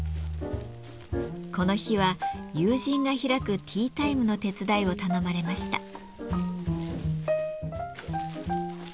この日は友人が開くティータイムの手伝いを頼まれました。